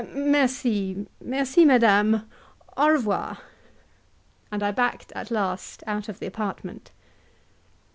"Merci, merci, madame au revoir." And I backed at last out of the apartment.